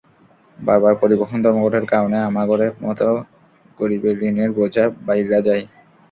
বারবার পরিবহন ধর্মঘটের কারণে আমাগরে মতো গরিবের ঋণের বোঝা বাইড়্যা যায়।